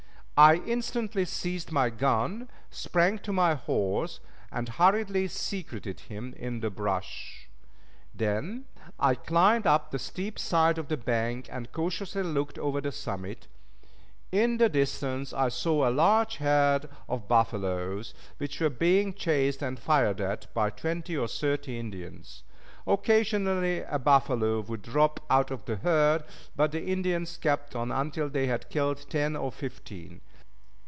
I instantly seized my gun, sprang to my horse, and hurriedly secreted him in the brush. Then I climbed up the steep side of the bank and cautiously looked over the summit; in the distance I saw a large herd of buffaloes which were being chased and fired at by twenty or thirty Indians. Occasionally a buffalo would drop out of the herd, but the Indians kept on until they had killed ten or fifteen.